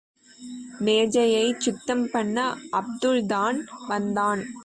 மேஐையைச் சுத்தம் பண்ண அப்துல்லாதான் வந்தான்.